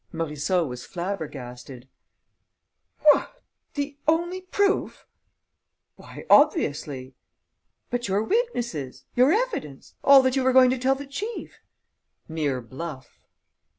Morisseau was flabbergasted: "What! The only proof?" "Why, obviously!" "But your witnesses? Your evidence? All that you were going to tell the chief?" "Mere bluff."